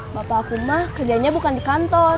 bapakku mah kerjanya bukan di kantor